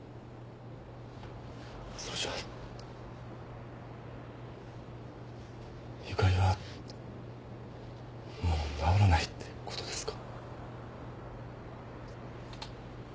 それじゃあゆかりはもう治らないってことですか？